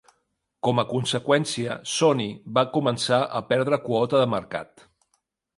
Com a conseqüència, Sony va començar a perdre quota de mercat.